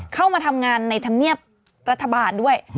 เข้ามาทำงานในธรรมเนียบรัฐบาลด้วย